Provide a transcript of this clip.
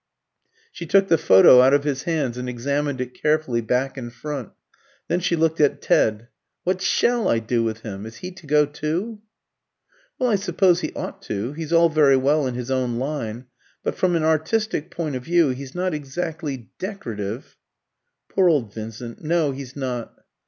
She took the photo out of his hands and examined it carefully back and front. Then she looked at Ted. "What shall I do with him? Is he to go too?" "Well, I suppose he ought to. He's all very well in his own line, but from an artistic point of view he's not exactly decorative." "Poor old Vincent! No, he's not."